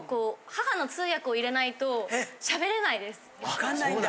わかんないんだ？